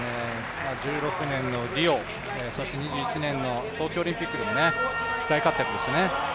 １６年のリオ、２１年の東京オリンピックでも大活躍でしたね。